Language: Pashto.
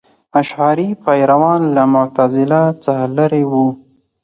اشعري پیروان له معتزله څخه لرې وو.